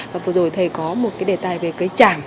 và vừa rồi thầy có một cái đề tài về cây tràm